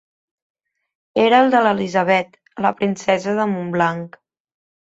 Era el de l'Elisabet, la princesa de Montblanc.